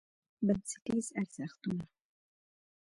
بنسټیز ارزښتونه: